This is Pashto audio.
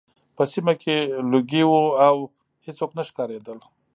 په سیمه کې لوګي وو او هېڅوک نه ښکارېدل